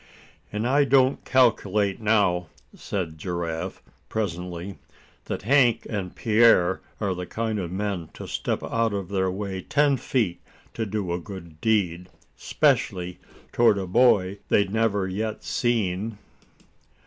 "And I don't calculate, now," said Giraffe, presently, "that Hank and Pierre are the kind of men to step out of their way ten feet to do a good deed, 'specially toward a boy they'd never yet seen?"